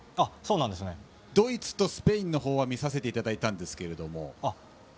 ドイツとスペインの方は見させていただいたんですが。